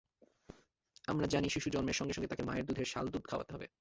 আমরা জানি, শিশু জন্মের সঙ্গে সঙ্গে তাকে মায়ের বুকের শালদুধ খাওয়াতে হবে।